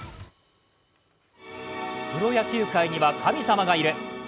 プロ野球界には神様がいる。